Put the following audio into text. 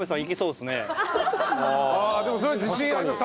ああでもそれは自信あります